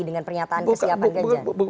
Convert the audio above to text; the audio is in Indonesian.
dengan pernyataan kesiapan ganjar